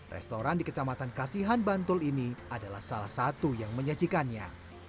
restoran di kecamatan kasihan bantul ini adalah salah satu yang menyajikannya